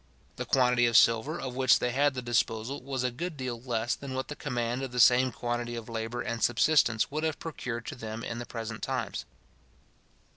The quantity of silver, of which they had the disposal, was a good deal less than what the command of the same quantity of labour and subsistence would have procured to them in the present times.